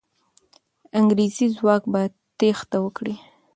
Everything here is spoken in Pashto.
انګریزي ځواک به تېښته وکړي.